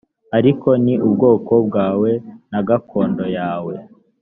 ariko ni ubwoko bwawe na gakondo yawe